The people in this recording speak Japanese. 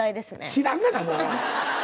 知らんがなもう！